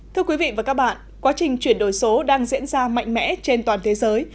thưa quý vị và các bạn quá trình chuyển đổi số đang diễn ra mạnh mẽ trên toàn thế giới